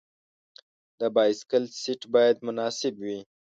د بایسکل سیټ باید مناسب وي.